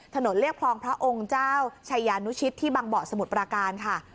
เรียบคลองพระองค์เจ้าชายานุชิตที่บางเบาะสมุทรปราการค่ะ